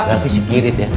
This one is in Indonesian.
berarti secret ya